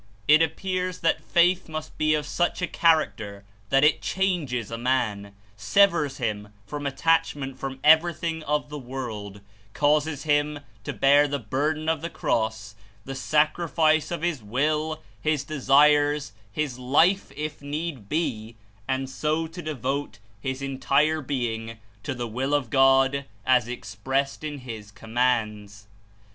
It appears that faith must be of such a character that It changes a man, severs him from attachment from everything of the world, causes him to bear the burden of the cross — the sacrifice of his will, his desires, his life If need be, and so to devote his entire being to the Will of God as expressed In His Commands.